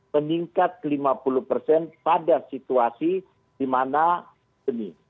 peningkat lima puluh pada situasi di mana ini